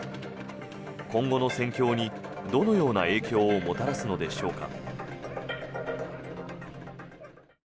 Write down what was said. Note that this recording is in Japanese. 今後の戦況にどのような影響をもたらすのでしょうか。